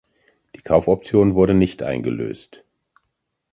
Die Kaufoption wurde nicht eingelöst.